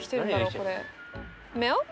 これ。